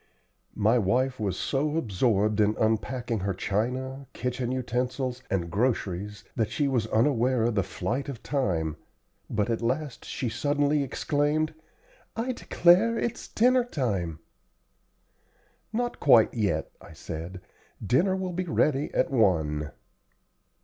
My wife was so absorbed in unpacking her china, kitchen utensils, and groceries that she was unaware of the flight of time, but at last she suddenly exclaimed, "I declare it's dinner time!" "Not quite yet," I said; "dinner will be ready at one."